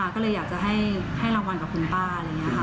ก็เลยอยากจะให้รางวัลกับคุณป้าอะไรอย่างนี้ค่ะ